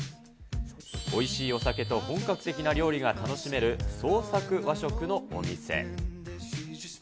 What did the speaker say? おいしいお酒と本格的な料理が楽しめる創作和食のお店。